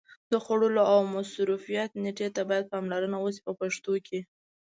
د خوړلو او مصرف نېټې ته باید پاملرنه وشي په پښتو کې.